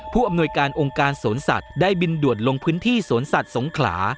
อำนวยการองค์การสวนสัตว์ได้บินด่วนลงพื้นที่สวนสัตว์สงขลา